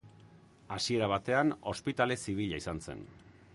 Hasiera batean Ospitale Zibila izan zen.